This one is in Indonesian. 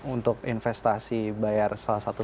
untuk investasi bayar salah satu